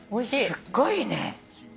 すっごいね。